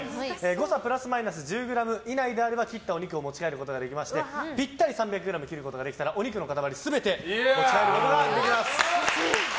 誤差プラスマイナス１０ｇ以内であれば切ったお肉を持ち帰ることができましてぴったり３００ｇに切ることができればお肉の塊全てお持ち帰りいただけます。